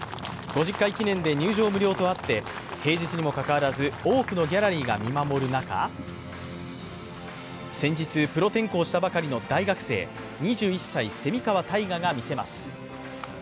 ５０回記念で入場無料とあって、平日にもかかわらず、多くのギャラリーが見守る中、先日、プロ転向したばかりの大学生、２１歳、蝉川泰果が見せます。